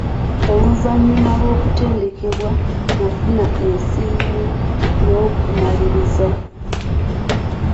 Oluvannyuma lw'okutendekebwa, nafuna ensiimyo y'okumaliriza.